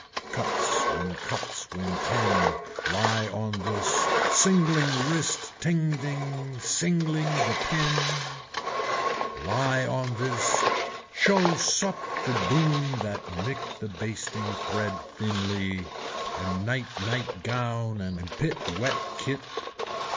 Cuts when cuts when ten, lie on this, singling wrist tending, singling the pin. Lie on this, show sup the boon that nick the basting thread thinly and night night gown and pit wet kit.